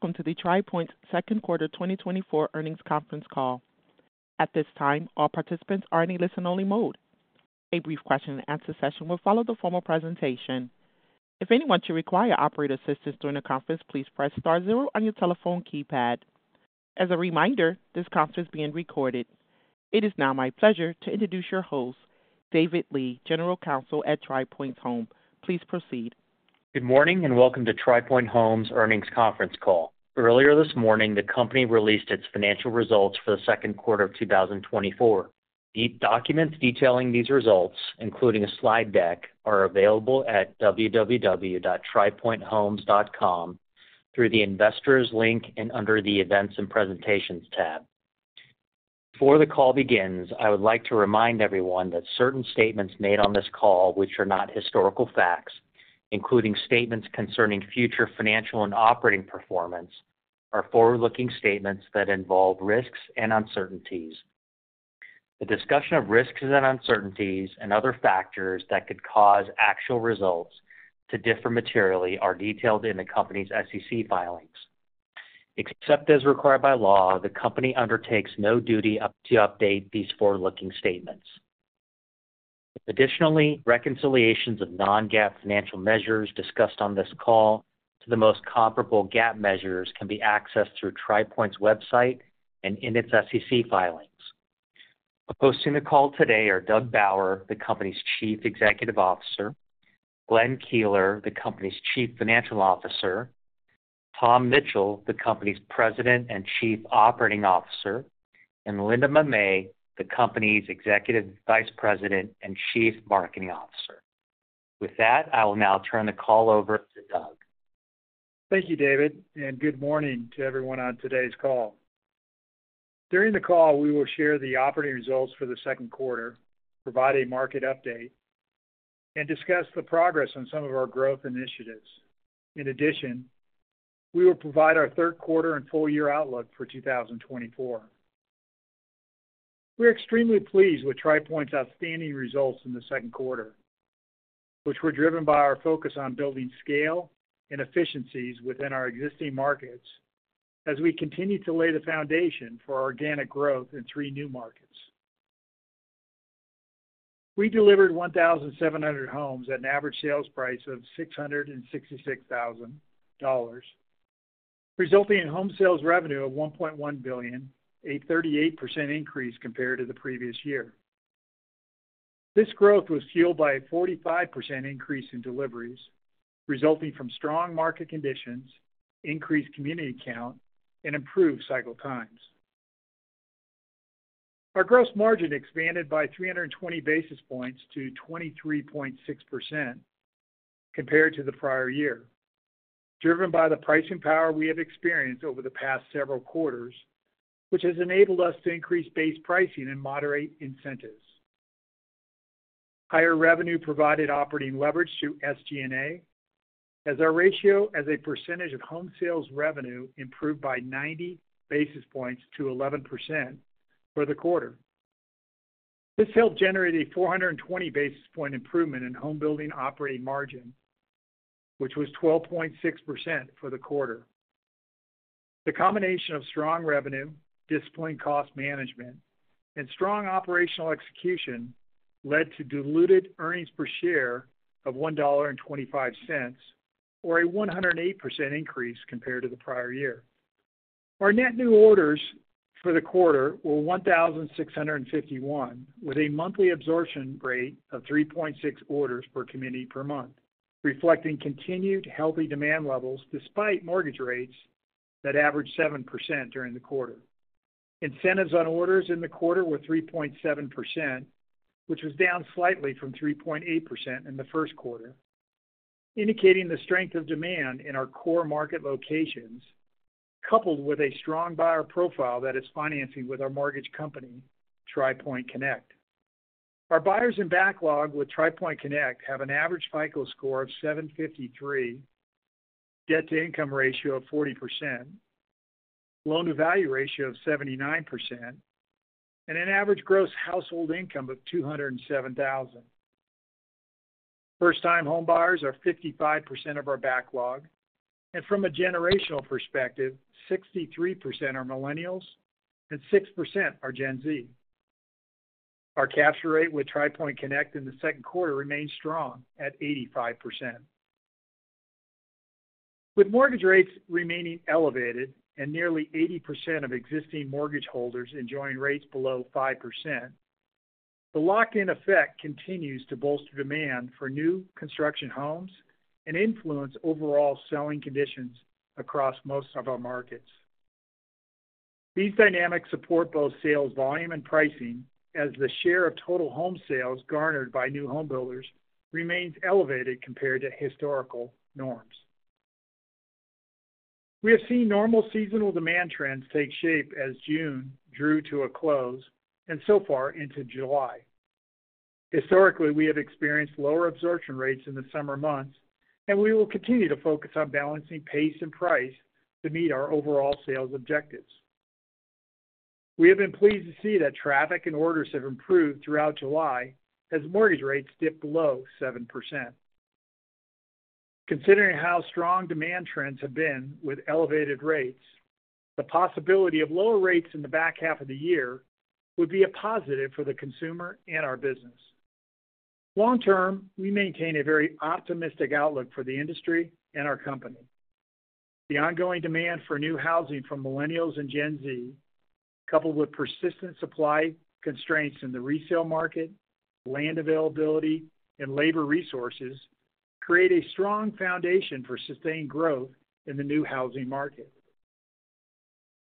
Welcome to the Tri Pointe Homes' second quarter 2024 earnings conference call. At this time, all participants are in a listen-only mode. A brief question-and-answer session will follow the formal presentation. If anyone should require operator assistance during the conference, please press star zero on your telephone keypad. As a reminder, this conference is being recorded. It is now my pleasure to introduce your host, David Lee, General Counsel at Tri Pointe Homes. Please proceed. Good morning and welcome to Tri Pointe Homes' earnings conference call. Earlier this morning, the company released its financial results for the second quarter of 2024. The documents detailing these results, including a slide deck, are available at www.tripointehomes.com through the investors link and under the Events and Presentations tab. Before the call begins, I would like to remind everyone that certain statements made on this call, which are not historical facts, including statements concerning future financial and operating performance, are forward-looking statements that involve risks and uncertainties. The discussion of risks and uncertainties and other factors that could cause actual results to differ materially are detailed in the company's SEC filings. Except as required by law, the company undertakes no duty to update these forward-looking statements. Additionally, reconciliations of non-GAAP financial measures discussed on this call to the most comparable GAAP measures can be accessed through Tri Pointe's website and in its SEC filings. Hosting the call today are Doug Bauer, the company's Chief Executive Officer, Glenn Keeler, the company's Chief Financial Officer, Tom Mitchell, the company's President and Chief Operating Officer, and Linda Mamet, the company's Executive Vice President and Chief Marketing Officer. With that, I will now turn the call over to Doug. Thank you, David, and good morning to everyone on today's call. During the call, we will share the operating results for the second quarter, provide a market update, and discuss the progress on some of our growth initiatives. In addition, we will provide our third quarter and full-year outlook for 2024. We're extremely pleased with Tri Pointe's outstanding results in the second quarter, which were driven by our focus on building scale and efficiencies within our existing markets as we continue to lay the foundation for organic growth in three new markets. We delivered 1,700 homes at an average sales price of $666,000, resulting in home sales revenue of $1.1 billion, a 38% increase compared to the previous year. This growth was fueled by a 45% increase in deliveries, resulting from strong market conditions, increased community count, and improved cycle times. Our gross margin expanded by 320 basis points to 23.6% compared to the prior year, driven by the pricing power we have experienced over the past several quarters, which has enabled us to increase base pricing and moderate incentives. Higher revenue provided operating leverage to SG&A as our ratio as a percentage of home sales revenue improved by 90 basis points to 11% for the quarter. This helped generate a 420 basis point improvement in home building operating margin, which was 12.6% for the quarter. The combination of strong revenue, disciplined cost management, and strong operational execution led to diluted earnings per share of $1.25, or a 108% increase compared to the prior year. Our net new orders for the quarter were 1,651, with a monthly absorption rate of 3.6 orders per community per month, reflecting continued healthy demand levels despite mortgage rates that averaged 7% during the quarter. Incentives on orders in the quarter were 3.7%, which was down slightly from 3.8% in the first quarter, indicating the strength of demand in our core market locations, coupled with a strong buyer profile that is financing with our mortgage company, Tri Pointe Connect. Our buyers in backlog with Tri Pointe Connect have an average FICO score of 753, debt-to-income ratio of 40%, loan-to-value ratio of 79%, and an average gross household income of $207,000. First-time home buyers are 55% of our backlog, and from a generational perspective, 63% are millennials and 6% are Gen Z. Our capture rate with Tri Pointe Connect in the second quarter remained strong at 85%. With mortgage rates remaining elevated and nearly 80% of existing mortgage holders enjoying rates below 5%, the lock-in effect continues to bolster demand for new construction homes and influence overall selling conditions across most of our markets. These dynamics support both sales volume and pricing as the share of total home sales garnered by new home builders remains elevated compared to historical norms. We have seen normal seasonal demand trends take shape as June drew to a close and so far into July. Historically, we have experienced lower absorption rates in the summer months, and we will continue to focus on balancing pace and price to meet our overall sales objectives. We have been pleased to see that traffic and orders have improved throughout July as mortgage rates dipped below 7%. Considering how strong demand trends have been with elevated rates, the possibility of lower rates in the back half of the year would be a positive for the consumer and our business. Long term, we maintain a very optimistic outlook for the industry and our company. The ongoing demand for new housing from millennials and Gen Z, coupled with persistent supply constraints in the resale market, land availability, and labor resources, create a strong foundation for sustained growth in the new housing market.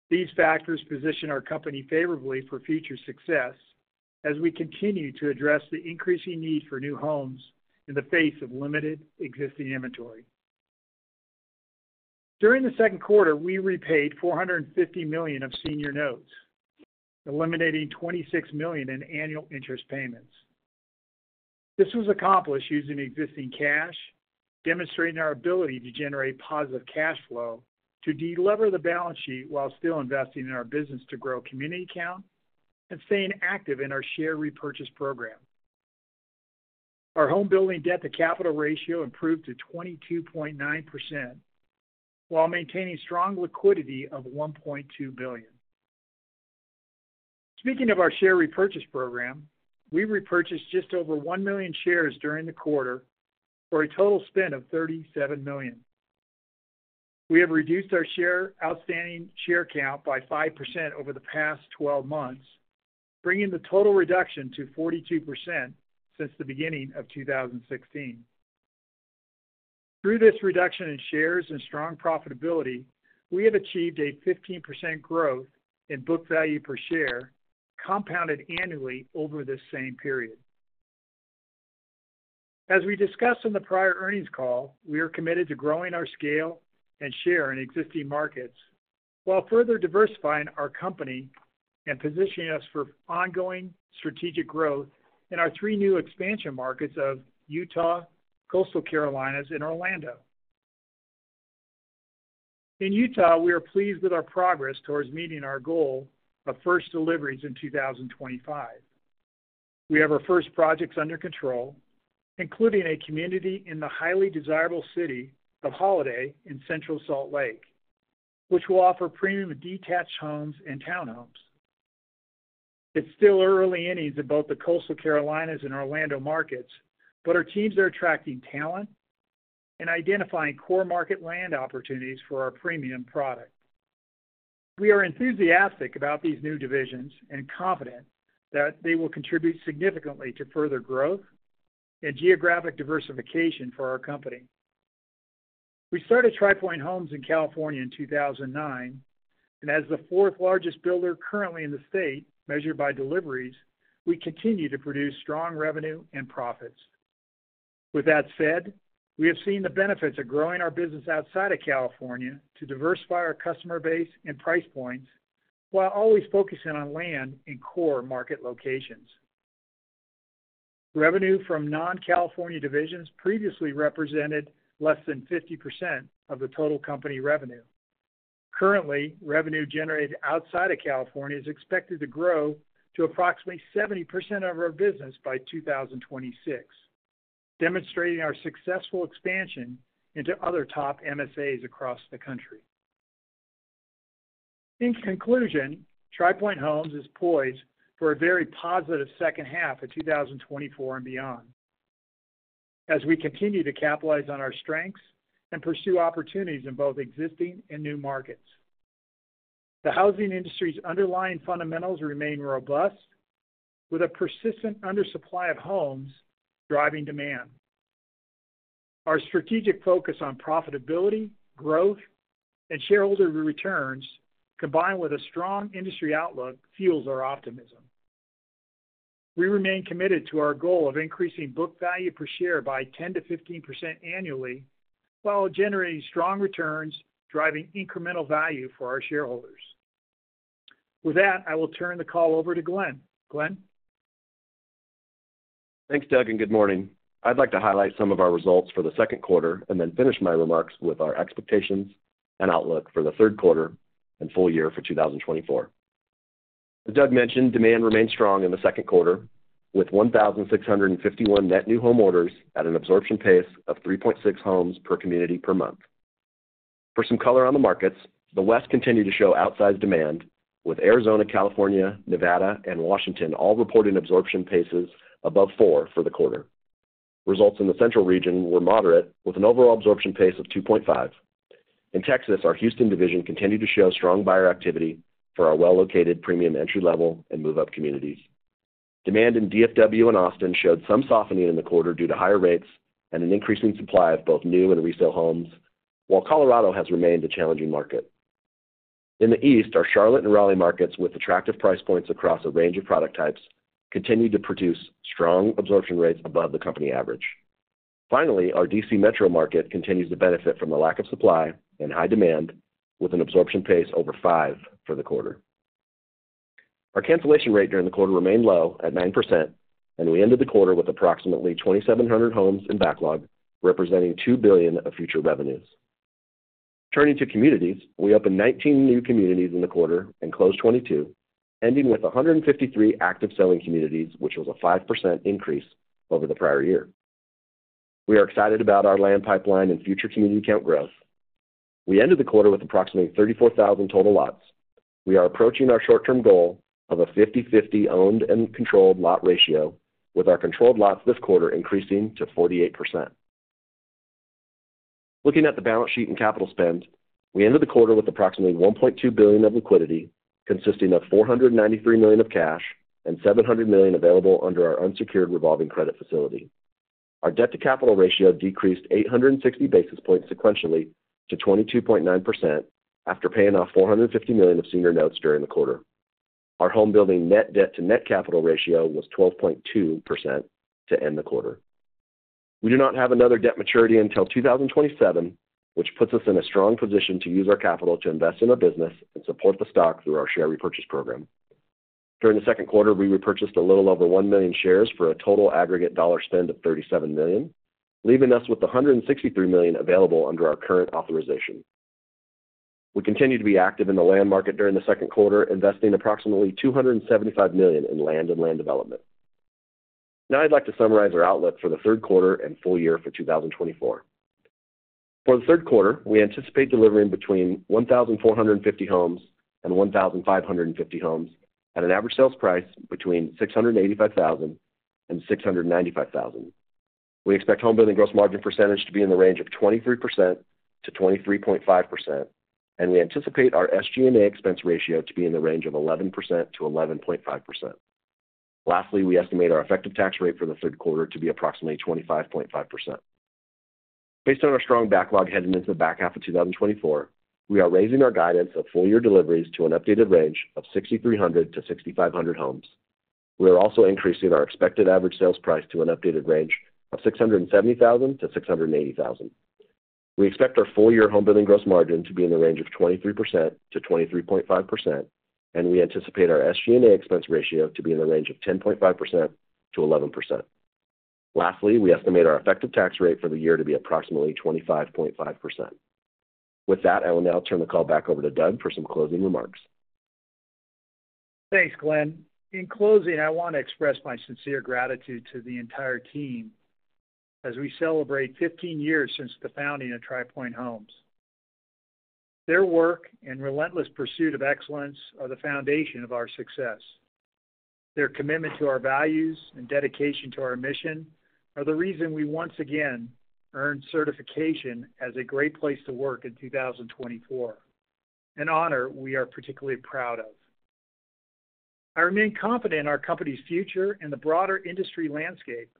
These factors position our company favorably for future success as we continue to address the increasing need for new homes in the face of limited existing inventory. During the second quarter, we repaid $450 million of senior notes, eliminating $26 million in annual interest payments. This was accomplished using existing cash, demonstrating our ability to generate positive cash flow to deliver the balance sheet while still investing in our business to grow community count and staying active in our share repurchase program. Our home building debt-to-capital ratio improved to 22.9% while maintaining strong liquidity of $1.2 billion. Speaking of our share repurchase program, we repurchased just over 1 million shares during the quarter for a total spend of $37 million. We have reduced our outstanding share count by 5% over the past 12 months, bringing the total reduction to 42% since the beginning of 2016. Through this reduction in shares and strong profitability, we have achieved a 15% growth in book value per share, compounded annually over this same period. As we discussed in the prior earnings call, we are committed to growing our scale and share in existing markets while further diversifying our company and positioning us for ongoing strategic growth in our three new expansion markets of Utah, Coastal Carolinas, and Orlando. In Utah, we are pleased with our progress towards meeting our goal of first deliveries in 2025. We have our first projects under control, including a community in the highly desirable city of Holladay in Central Salt Lake, which will offer premium detached homes and townhomes. It's still early innings in both the Coastal Carolinas and Orlando markets, but our teams are attracting talent and identifying core market land opportunities for our premium product. We are enthusiastic about these new divisions and confident that they will contribute significantly to further growth and geographic diversification for our company. We started Tri Pointe Homes in California in 2009, and as the fourth largest builder currently in the state, measured by deliveries, we continue to produce strong revenue and profits. With that said, we have seen the benefits of growing our business outside of California to diversify our customer base and price points while always focusing on land in core market locations. Revenue from non-California divisions previously represented less than 50% of the total company revenue. Currently, revenue generated outside of California is expected to grow to approximately 70% of our business by 2026, demonstrating our successful expansion into other top MSAs across the country. In conclusion, Tri Pointe Homes is poised for a very positive second half of 2024 and beyond as we continue to capitalize on our strengths and pursue opportunities in both existing and new markets. The housing industry's underlying fundamentals remain robust, with a persistent undersupply of homes driving demand. Our strategic focus on profitability, growth, and shareholder returns, combined with a strong industry outlook, fuels our optimism. We remain committed to our goal of increasing book value per share by 10%-15% annually while generating strong returns, driving incremental value for our shareholders. With that, I will turn the call over to Glenn. Glenn. Thanks, Doug, and good morning. I'd like to highlight some of our results for the second quarter and then finish my remarks with our expectations and outlook for the third quarter and full year for 2024. As Doug mentioned, demand remained strong in the second quarter, with 1,651 net new home orders at an absorption pace of 3.6 homes per community per month. For some color on the markets, the West continued to show outsized demand, with Arizona, California, Nevada, and Washington all reporting absorption paces above 4 for the quarter. Results in the central region were moderate, with an overall absorption pace of 2.5. In Texas, our Houston division continued to show strong buyer activity for our well-located premium entry-level and move-up communities. Demand in DFW and Austin showed some softening in the quarter due to higher rates and an increasing supply of both new and resale homes, while Colorado has remained a challenging market. In the East, our Charlotte and Raleigh markets, with attractive price points across a range of product types, continued to produce strong absorption rates above the company average. Finally, our D.C. Metro market continues to benefit from the lack of supply and high demand, with an absorption pace over 5 for the quarter. Our cancellation rate during the quarter remained low at 9%, and we ended the quarter with approximately 2,700 homes in backlog, representing $2 billion of future revenues. Turning to communities, we opened 19 new communities in the quarter and closed 22, ending with 153 active selling communities, which was a 5% increase over the prior year. We are excited about our land pipeline and future community count growth. We ended the quarter with approximately 34,000 total lots. We are approaching our short-term goal of a 50/50 owned and controlled lot ratio, with our controlled lots this quarter increasing to 48%. Looking at the balance sheet and capital spend, we ended the quarter with approximately $1.2 billion of liquidity, consisting of $493 million of cash and $700 million available under our unsecured revolving credit facility. Our debt-to-capital ratio decreased 860 basis points sequentially to 22.9% after paying off $450 million of senior notes during the quarter. Our home building net debt-to-net capital ratio was 12.2% to end the quarter. We do not have another debt maturity until 2027, which puts us in a strong position to use our capital to invest in our business and support the stock through our share repurchase program. During the second quarter, we repurchased a little over 1 million shares for a total aggregate dollar spend of $37 million, leaving us with $163 million available under our current authorization. We continue to be active in the land market during the second quarter, investing approximately $275 million in land and land development. Now, I'd like to summarize our outlook for the third quarter and full year for 2024. For the third quarter, we anticipate delivering between 1,450 homes and 1,550 homes at an average sales price between $685,000 and $695,000. We expect home building gross margin percentage to be in the range of 23%-23.5%, and we anticipate our SG&A expense ratio to be in the range of 11%-11.5%. Lastly, we estimate our effective tax rate for the third quarter to be approximately 25.5%. Based on our strong backlog heading into the back half of 2024, we are raising our guidance of full-year deliveries to an updated range of 6,300-6,500 homes. We are also increasing our expected average sales price to an updated range of $670,000-$680,000. We expect our full-year home building gross margin to be in the range of 23%-23.5%, and we anticipate our SG&A expense ratio to be in the range of 10.5%-11%. Lastly, we estimate our effective tax rate for the year to be approximately 25.5%. With that, I will now turn the call back over to Doug for some closing remarks. Thanks, Glenn. In closing, I want to express my sincere gratitude to the entire team as we celebrate 15 years since the founding of Tri Pointe Homes. Their work and relentless pursuit of excellence are the foundation of our success. Their commitment to our values and dedication to our mission are the reason we once again earned certification as a great place to work in 2024, an honor we are particularly proud of. I remain confident in our company's future and the broader industry landscape.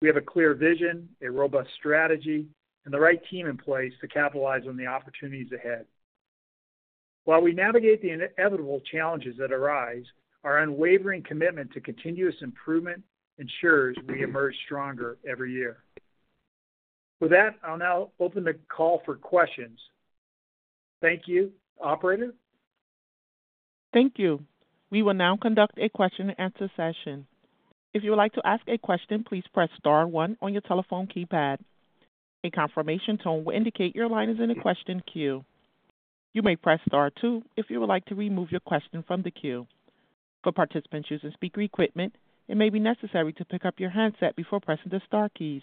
We have a clear vision, a robust strategy, and the right team in place to capitalize on the opportunities ahead. While we navigate the inevitable challenges that arise, our unwavering commitment to continuous improvement ensures we emerge stronger every year. With that, I'll now open the call for questions. Thank you, Operator. Thank you. We will now conduct a question-and-answer session. If you would like to ask a question, please press star one on your telephone keypad. A confirmation tone will indicate your line is in a question queue. You may press star two if you would like to remove your question from the queue. For participants using speaker equipment, it may be necessary to pick up your handset before pressing the Star keys.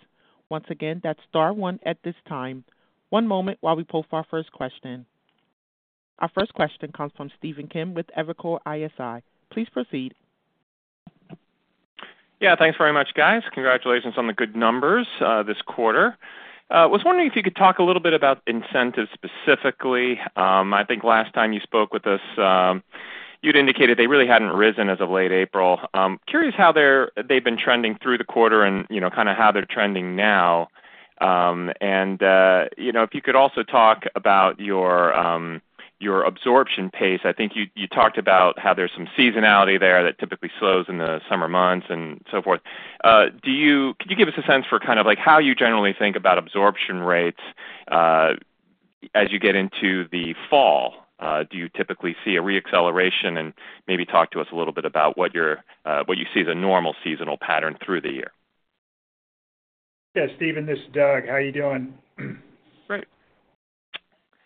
Once again, that's star one at this time. One moment while we pull for our first question. Our first question comes from Stephen Kim with Evercore ISI. Please proceed. Yeah, thanks very much, guys. Congratulations on the good numbers this quarter. I was wondering if you could talk a little bit about incentives specifically. I think last time you spoke with us, you'd indicated they really hadn't risen as of late April. Curious how they've been trending through the quarter and kind of how they're trending now. And if you could also talk about your absorption pace, I think you talked about how there's some seasonality there that typically slows in the summer months and so forth. Could you give us a sense for kind of how you generally think about absorption rates as you get into the fall? Do you typically see a re-acceleration? And maybe talk to us a little bit about what you see as a normal seasonal pattern through the year. Yeah, Stephen, this is Doug. How are you doing? Great.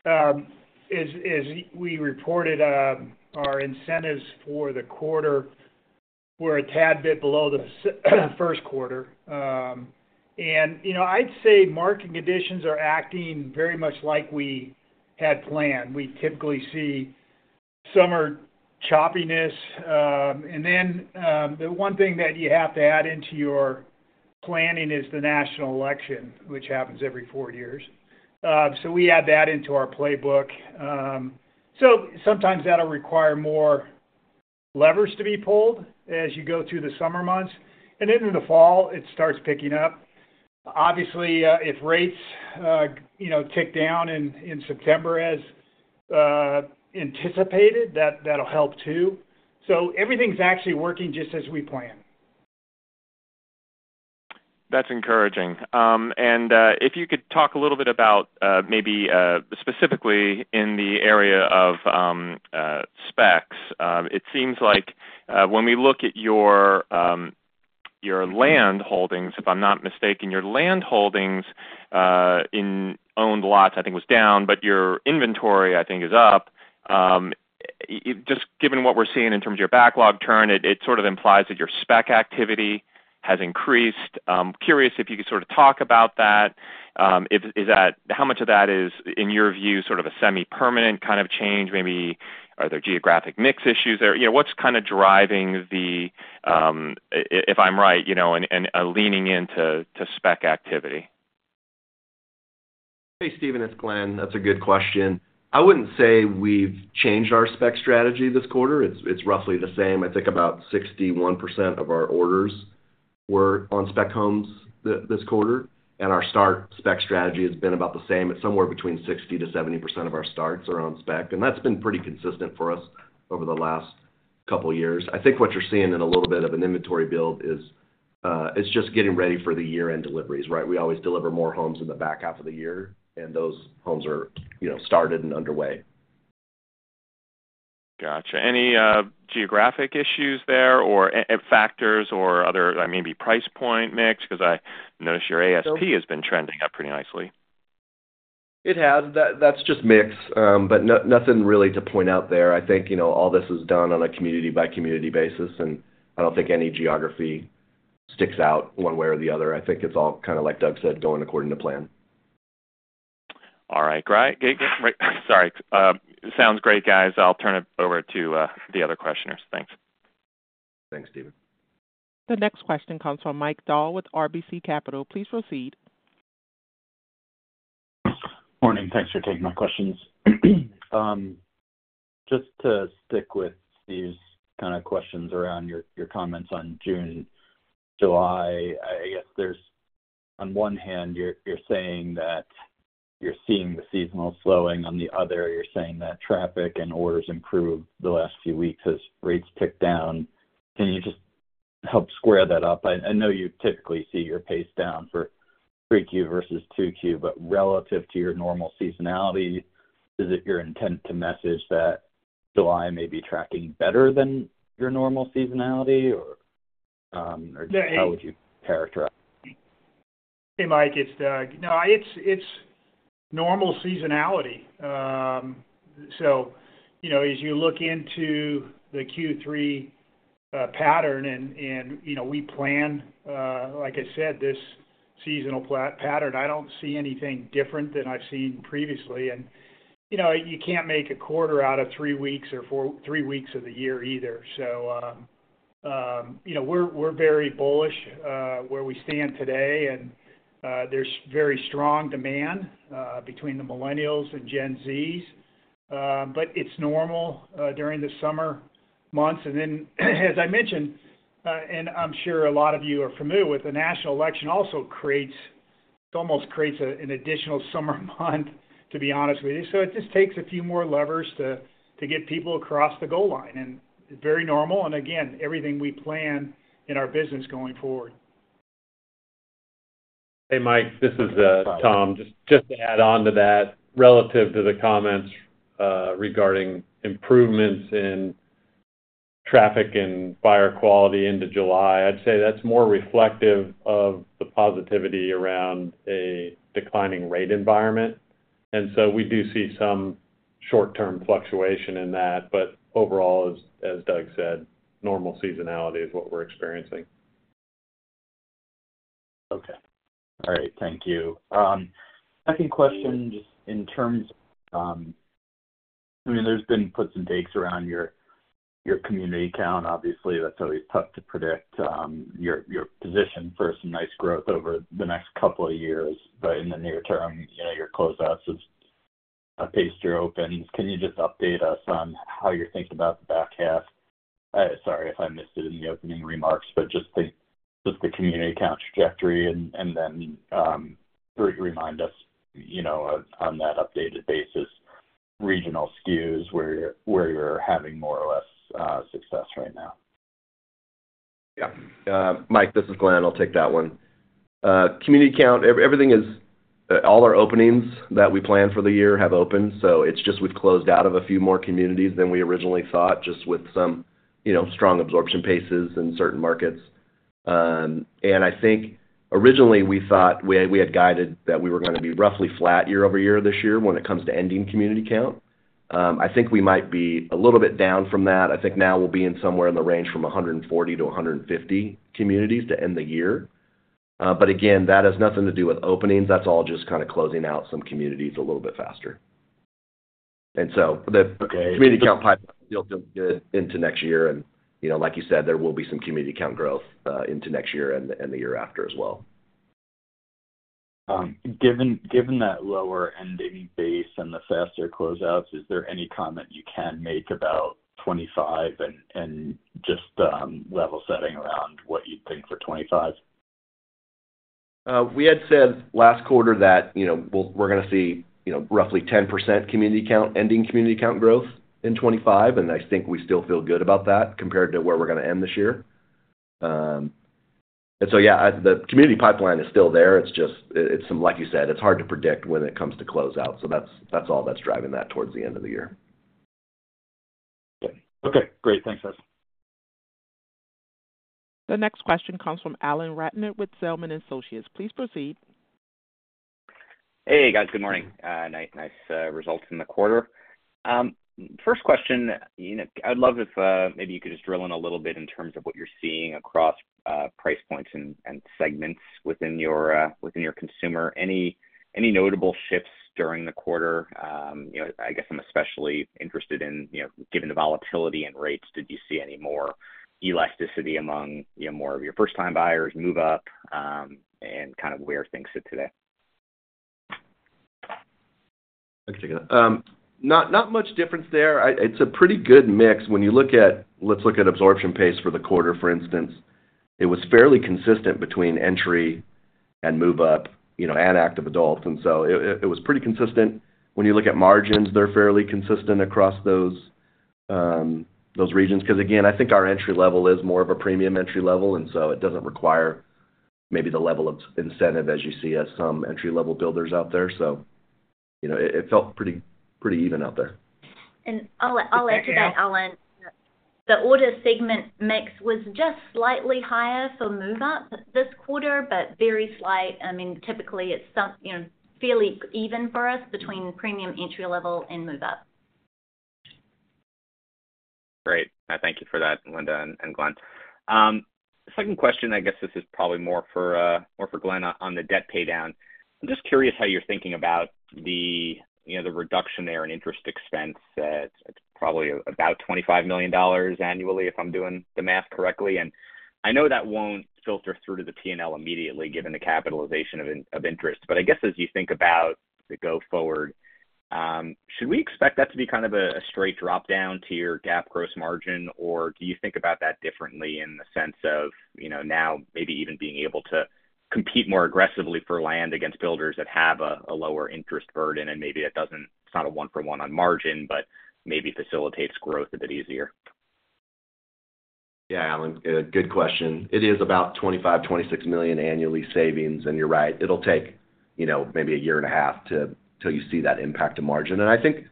As we reported our incentives for the quarter, we're a tad bit below the first quarter. And I'd say market conditions are acting very much like we had planned. We typically see summer choppiness. And then the one thing that you have to add into your planning is the national election, which happens every four years. So we add that into our playbook. So sometimes that'll require more levers to be pulled as you go through the summer months. And then in the fall, it starts picking up. Obviously, if rates tick down in September as anticipated, that'll help too. So everything's actually working just as we planned. That's encouraging. If you could talk a little bit about maybe specifically in the area of specs. It seems like when we look at your land holdings, if I'm not mistaken, your land holdings in owned lots, I think, was down, but your inventory, I think, is up. Just given what we're seeing in terms of your backlog turn, it sort of implies that your spec activity has increased. Curious if you could sort of talk about that. How much of that is, in your view, sort of a semi-permanent kind of change? Maybe are there geographic mix issues there? What's kind of driving the, if I'm right, a leaning into spec activity? Hey, Stephen, it's Glenn. That's a good question. I wouldn't say we've changed our spec strategy this quarter. It's roughly the same. I think about 61% of our orders were on spec homes this quarter. And our start spec strategy has been about the same. It's somewhere between 60%-70% of our starts are on spec. And that's been pretty consistent for us over the last couple of years. I think what you're seeing in a little bit of an inventory build is just getting ready for the year-end deliveries, right? We always deliver more homes in the back half of the year, and those homes are started and underway. Gotcha. Any geographic issues there or factors or other, maybe price point mix? Because I noticed your ASP has been trending up pretty nicely. It has. That's just mix, but nothing really to point out there. I think all this is done on a community-by-community basis, and I don't think any geography sticks out one way or the other. I think it's all kind of, like Doug said, going according to plan. All right. Sorry. Sounds great, guys. I'll turn it over to the other questioners. Thanks. Thanks, Stephen. The next question comes from Mike Dahl with RBC Capital. Please proceed. Morning. Thanks for taking my questions. Just to stick with these kind of questions around your comments on June, July, I guess on one hand, you're saying that you're seeing the seasonal slowing. On the other, you're saying that traffic and orders improved the last few weeks as rates ticked down. Can you just help square that up? I know you typically see your pace down for Q1 versus Q2, but relative to your normal seasonality, is it your intent to message that July may be tracking better than your normal seasonality, or how would you characterize it? Hey, Mike, it's Doug. No, it's normal seasonality. So as you look into the Q3 pattern, and we plan, like I said, this seasonal pattern, I don't see anything different than I've seen previously. And you can't make a quarter out of three weeks or three weeks of the year either. So we're very bullish where we stand today, and there's very strong demand between the millennials and Gen Zs. But it's normal during the summer months. And then, as I mentioned, and I'm sure a lot of you are familiar with, the national election also creates it almost creates an additional summer month, to be honest with you. So it just takes a few more levers to get people across the goal line. And it's very normal. And again, everything we plan in our business going forward. Hey, Mike. This is Tom. Just to add on to that, relative to the comments regarding improvements in traffic and buyer quality into July, I'd say that's more reflective of the positivity around a declining rate environment. And so we do see some short-term fluctuation in that. But overall, as Doug said, normal seasonality is what we're experiencing. Okay. All right. Thank you. Second question, just in terms of, I mean, there's been puts and takes around your community count. Obviously, that's always tough to predict. You're positioned for some nice growth over the next couple of years. But in the near term, your closeouts at a pace to open. Can you just update us on how you're thinking about the back half? Sorry if I missed it in the opening remarks, but just the community count trajectory. And then remind us on that updated basis, regional SKUs, where you're having more or less success right now. Yeah. Mike, this is Glenn. I'll take that one. Community count, everything is all our openings that we planned for the year have opened. So it's just we've closed out of a few more communities than we originally thought, just with some strong absorption paces in certain markets. And I think originally we thought we had guided that we were going to be roughly flat year-over-year this year when it comes to ending community count. I think we might be a little bit down from that. I think now we'll be in somewhere in the range from 140-150 communities to end the year. But again, that has nothing to do with openings. That's all just kind of closing out some communities a little bit faster. And so the community count pipeline still feels good into next year. Like you said, there will be some community count growth into next year and the year after as well. Given that lower ending base and the faster closeouts, is there any comment you can make about 2025 and just level setting around what you'd think for 2025? We had said last quarter that we're going to see roughly 10% community count ending community count growth in 2025. And I think we still feel good about that compared to where we're going to end this year. And so, yeah, the community pipeline is still there. It's just, like you said, it's hard to predict when it comes to closeout. So that's all that's driving that towards the end of the year. Okay. Great. Thanks, guys. The next question comes from Alan Ratner with Zelman & Associates. Please proceed. Hey, guys. Good morning. Nice results in the quarter. First question, I'd love if maybe you could just drill in a little bit in terms of what you're seeing across price points and segments within your consumer. Any notable shifts during the quarter? I guess I'm especially interested, given the volatility and rates, did you see any more elasticity among more of your first-time buyers move up and kind of where things sit today? Not much difference there. It's a pretty good mix. When you look at, let's look at absorption pace for the quarter, for instance, it was fairly consistent between entry and move-up and active adults. And so it was pretty consistent. When you look at margins, they're fairly consistent across those regions. Because again, I think our entry level is more of a premium entry level. And so it doesn't require maybe the level of incentive as you see as some entry-level builders out there. So it felt pretty even out there. I'll add to that, Alan. The order segment mix was just slightly higher for move-up this quarter, but very slight. I mean, typically, it's fairly even for us between premium entry level and move-up. Great. Thank you for that, Linda and Glenn. Second question, I guess this is probably more for Glenn on the debt paydown. I'm just curious how you're thinking about the reduction there in interest expense at probably about $25 million annually, if I'm doing the math correctly. And I know that won't filter through to the P&L immediately given the capitalization of interest. But I guess as you think about the go forward, should we expect that to be kind of a straight drop down to your GAAP gross margin, or do you think about that differently in the sense of now maybe even being able to compete more aggressively for land against builders that have a lower interest burden? And maybe it's not a 1-for-1 on margin, but maybe facilitates growth a bit easier. Yeah, Alan, good question. It is about $25 million-$26 million annually savings. And you're right. It'll take maybe a year and a half until you see that impact to margin. And I think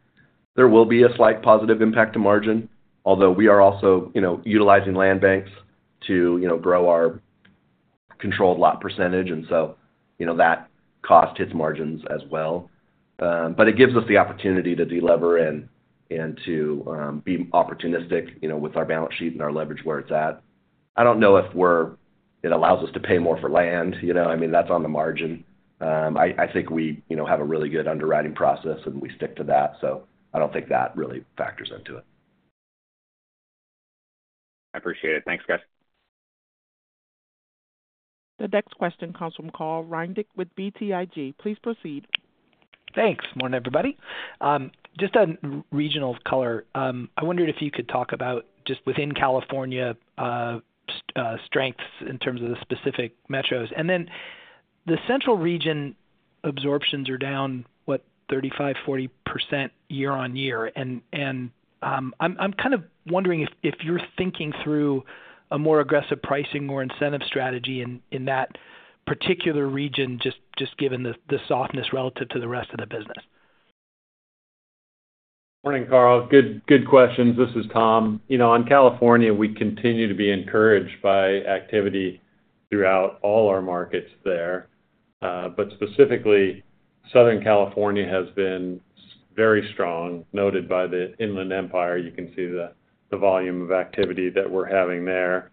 there will be a slight positive impact to margin, although we are also utilizing land banks to grow our controlled lot percentage. And so that cost hits margins as well. But it gives us the opportunity to delever and to be opportunistic with our balance sheet and our leverage where it's at. I don't know if it allows us to pay more for land. I mean, that's on the margin. I think we have a really good underwriting process, and we stick to that. So I don't think that really factors into it. I appreciate it. Thanks, guys. The next question comes from Carl Reichardt with BTIG. Please proceed. Thanks. Morning, everybody. Just a regional color. I wondered if you could talk about just within California strengths in terms of the specific metros. And then the central region absorptions are down, what, 35%-40% year-over-year. And I'm kind of wondering if you're thinking through a more aggressive pricing or incentive strategy in that particular region, just given the softness relative to the rest of the business. Morning, Carl. Good questions. This is Tom. On California, we continue to be encouraged by activity throughout all our markets there. But specifically, Southern California has been very strong, noted by the Inland Empire. You can see the volume of activity that we're having there.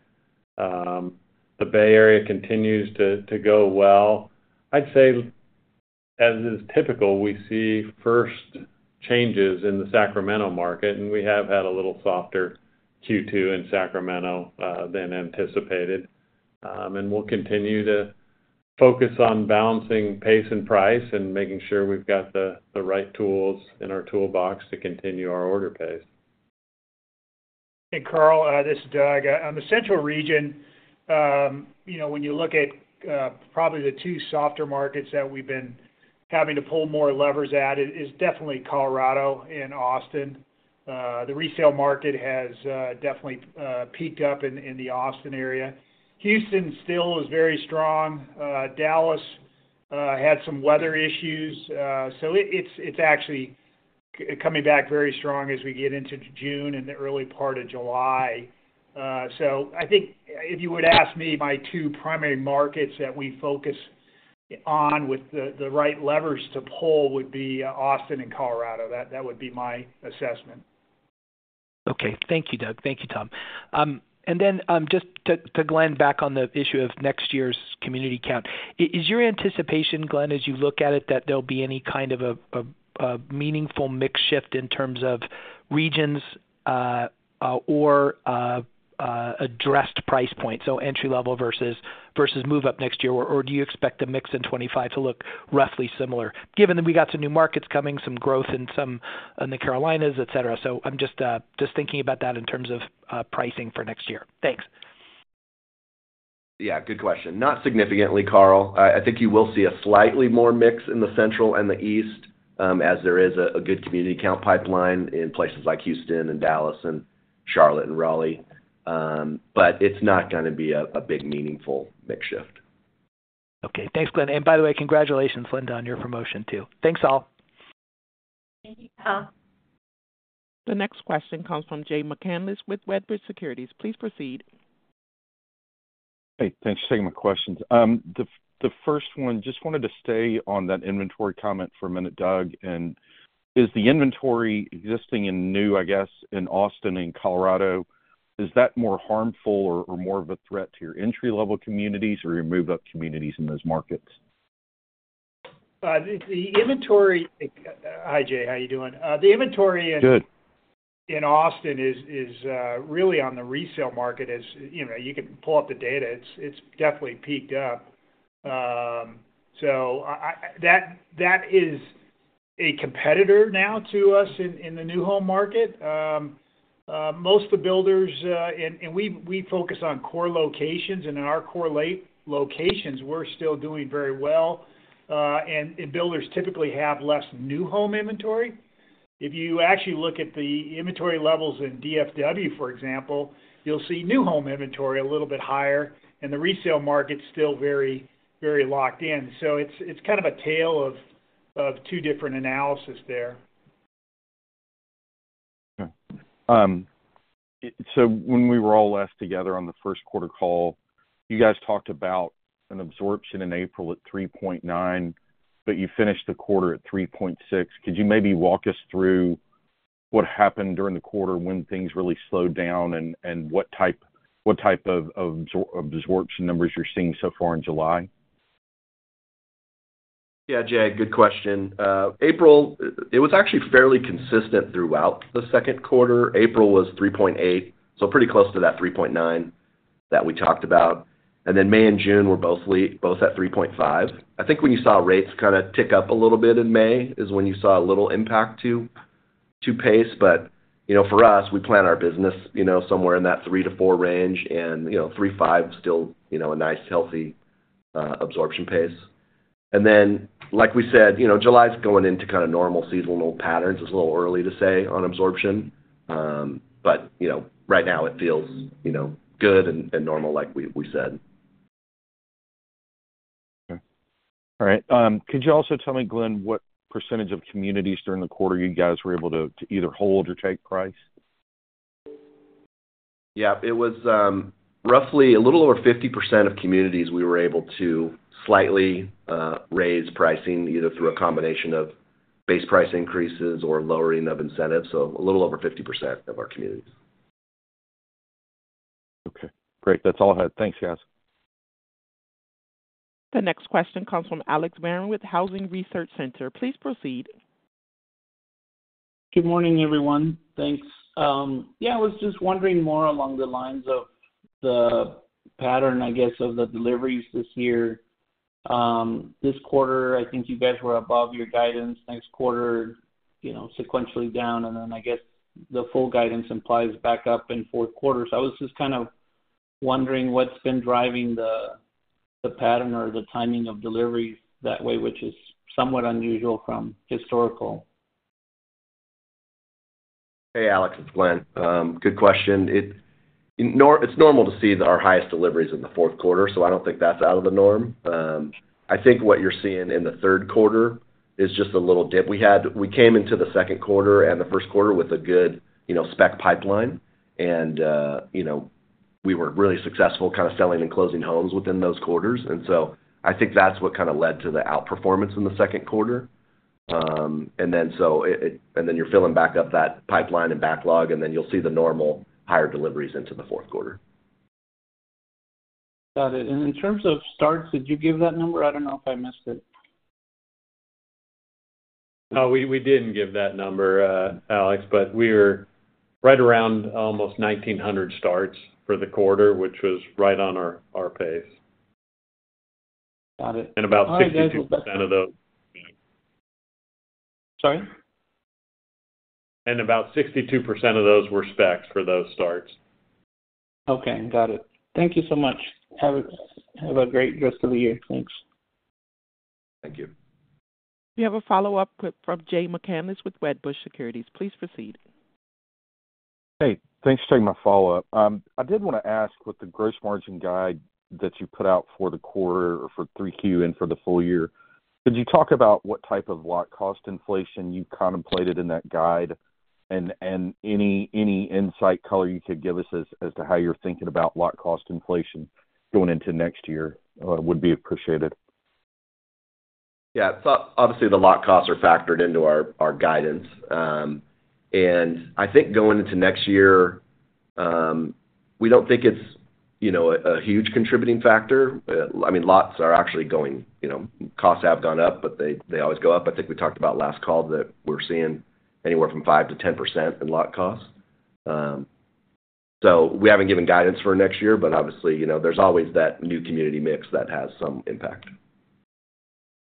The Bay Area continues to go well. I'd say, as is typical, we see first changes in the Sacramento market. And we have had a little softer Q2 in Sacramento than anticipated. And we'll continue to focus on balancing pace and price and making sure we've got the right tools in our toolbox to continue our order pace. Hey, Carl. This is Doug. On the central region, when you look at probably the two softer markets that we've been having to pull more levers at, it is definitely Colorado and Austin. The retail market has definitely picked up in the Austin area. Houston still is very strong. Dallas had some weather issues. So it's actually coming back very strong as we get into June and the early part of July. So I think if you would ask me my two primary markets that we focus on with the right levers to pull would be Austin and Colorado. That would be my assessment. Okay. Thank you, Doug. Thank you, Tom. And then just to Glenn, back on the issue of next year's community count. Is your anticipation, Glenn, as you look at it, that there'll be any kind of a meaningful mix shift in terms of regions or addressed price points, so entry level versus move-up next year? Or do you expect the mix in 2025 to look roughly similar, given that we got some new markets coming, some growth in the Carolinas, etc.? So I'm just thinking about that in terms of pricing for next year. Thanks. Yeah. Good question. Not significantly, Carl. I think you will see a slightly more mix in the central and the east as there is a good community count pipeline in places like Houston and Dallas and Charlotte and Raleigh. But it's not going to be a big meaningful mix shift. Okay. Thanks, Glenn. And by the way, congratulations, Linda, on your promotion too. Thanks, all. Thank you, Tom. The next question comes from Jay McCanless with Wedbush Securities. Please proceed. Hey, thanks for taking my questions. The first one, just wanted to stay on that inventory comment for a minute, Doug. Is the inventory existing in Reno, I guess, in Austin and Colorado, more harmful or more of a threat to your entry-level communities or your move-up communities in those markets? The inventory. Hi, Jay. How are you doing? The inventory. Good. In Austin is really on the resale market. You can pull up the data. It's definitely peaked up. So that is a competitor now to us in the new home market. Most of the builders and we focus on core locations. In our core locations, we're still doing very well. Builders typically have less new home inventory. If you actually look at the inventory levels in DFW, for example, you'll see new home inventory a little bit higher. The resale market's still very locked in. So it's kind of a tale of two different analyses there. Okay. So when we were all last together on the first quarter call, you guys talked about an absorption in April at 3.9, but you finished the quarter at 3.6. Could you maybe walk us through what happened during the quarter when things really slowed down and what type of absorption numbers you're seeing so far in July? Yeah, Jay, good question. April, it was actually fairly consistent throughout the second quarter. April was 3.8, so pretty close to that 3.9 that we talked about. And then May and June were both at 3.5. I think when you saw rates kind of tick up a little bit in May is when you saw a little impact to pace. But for us, we plan our business somewhere in that 3-4 range. And 3-5 is still a nice healthy absorption pace. And then, like we said, July's going into kind of normal seasonal patterns. It's a little early to say on absorption. But right now, it feels good and normal, like we said. Okay. All right. Could you also tell me, Glenn, what percentage of communities during the quarter you guys were able to either hold or take price? Yeah. It was roughly a little over 50% of communities we were able to slightly raise pricing either through a combination of base price increases or lowering of incentives. So a little over 50% of our communities. Okay. Great. That's all I had. Thanks, guys. The next question comes from Alex Barron with Housing Research Center. Please proceed. Good morning, everyone. Thanks. Yeah, I was just wondering more along the lines of the pattern, I guess, of the deliveries this year. This quarter, I think you guys were above your guidance. Next quarter, sequentially down. And then I guess the full guidance implies back up in fourth quarter. So I was just kind of wondering what's been driving the pattern or the timing of deliveries that way, which is somewhat unusual from historical. Hey, Alex. It's Glenn. Good question. It's normal to see our highest deliveries in the fourth quarter. So I don't think that's out of the norm. I think what you're seeing in the third quarter is just a little dip. We came into the second quarter and the first quarter with a good spec pipeline. And we were really successful kind of selling and closing homes within those quarters. And so I think that's what kind of led to the outperformance in the second quarter. And then you're filling back up that pipeline and backlog. And then you'll see the normal higher deliveries into the fourth quarter. Got it. In terms of starts, did you give that number? I don't know if I missed it. We didn't give that number, Alex. But we were right around almost 1,900 starts for the quarter, which was right on our pace. Got it. About 62% of those. Sorry? About 62% of those were specs for those starts. Okay. Got it. Thank you so much. Have a great rest of the year. Thanks. Thank you. We have a follow-up from Jay McCanless with Wedbush Securities. Please proceed. Hey, thanks for taking my follow-up. I did want to ask what the gross margin guide that you put out for the quarter or for 3Q and for the full year. Could you talk about what type of lot cost inflation you contemplated in that guide? And any insight color you could give us as to how you're thinking about lot cost inflation going into next year would be appreciated. Yeah. Obviously, the lot costs are factored into our guidance. I think going into next year, we don't think it's a huge contributing factor. I mean, lot costs are actually going up, but they always go up. I think we talked about last call that we're seeing anywhere from 5%-10% in lot costs. We haven't given guidance for next year, but obviously, there's always that new community mix that has some impact.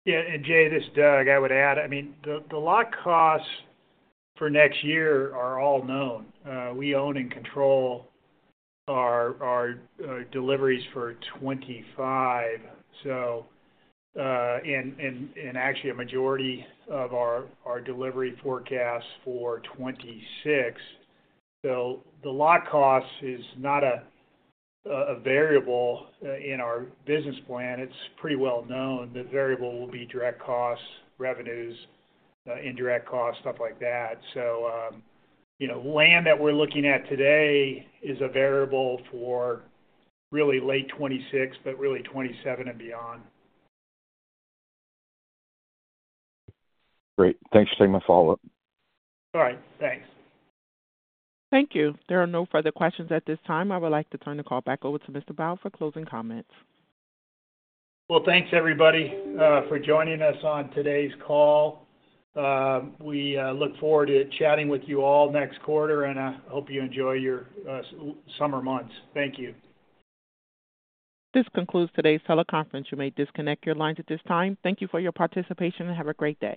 Yeah. And Jay, this is Doug. I would add, I mean, the lot costs for next year are all known. We own and control our deliveries for 2025. And actually, a majority of our delivery forecasts for 2026. So the lot cost is not a variable in our business plan. It's pretty well known. The variable will be direct costs, revenues, indirect costs, stuff like that. So land that we're looking at today is a variable for really late 2026, but really 2027 and beyond. Great. Thanks for taking my follow-up. All right. Thanks. Thank you. There are no further questions at this time. I would like to turn the call back over to Mr. Bauer for closing comments. Well, thanks, everybody, for joining us on today's call. We look forward to chatting with you all next quarter. And I hope you enjoy your summer months. Thank you. This concludes today's teleconference. You may disconnect your lines at this time. Thank you for your participation and have a great day.